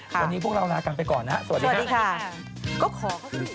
วันนี้พวกเรารักกันไปก่อนนะครับสวัสดีค่ะ